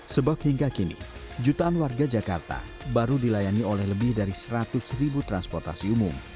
sebab hingga kini jutaan warga jakarta baru dilayani oleh lebih dari seratus ribu transportasi umum